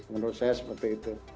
menurut saya seperti itu